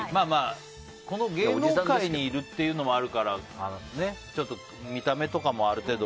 この芸能界にいるっていうのもあるからちょっと見た目とかもある程度。